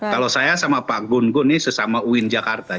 kalau saya sama pak gun gun ini sesama uin jakarta